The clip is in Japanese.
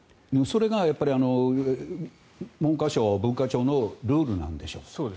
それが文科省、文化庁のルールなんでしょう。